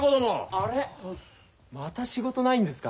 あれまた仕事ないんですか？